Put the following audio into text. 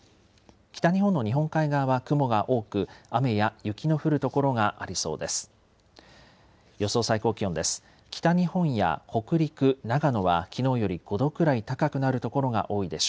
北日本の日本海側は雲が多く雨や雪の降る所がありそうです。